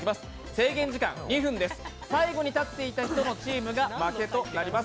制限時間２分です、最後に立っていた人のチームが負けとなります。